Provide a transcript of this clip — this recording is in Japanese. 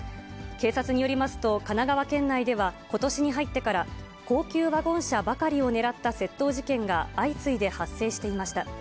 警察によりますと、神奈川県内ではことしに入ってから、高級ワゴン車ばかりを狙った窃盗事件が相次いで発生していました。